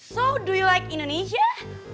so do you like indonesia